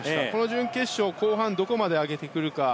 準決勝後半はどこまで上げてくるか。